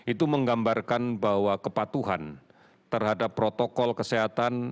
itu menggambarkan bahwa kepatuhan terhadap protokol kesehatan